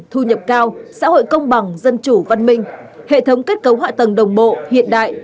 thu nhập cao xã hội công bằng dân chủ văn minh hệ thống kết cấu họa tầng đồng bộ hiện đại